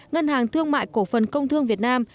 ngân hàng thương mại cổ phần công thương việt nam